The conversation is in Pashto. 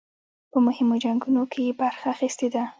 په مهمو جنګونو کې یې برخه اخیستې ده.